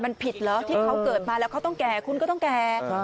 มันผิดเหรอที่เขาเกิดมาแล้วเขาต้องแก่คุณก็ต้องแก่